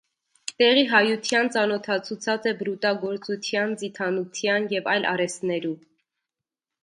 Տեղի հայութեան ծանօթացուցած է բրուտագործութեան, ձիթհանութեան եւ այլ արհեստներու։